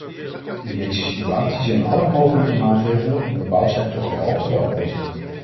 In deze situatie zijn alle mogelijke maatregelen om de bouwsector te helpen welkom.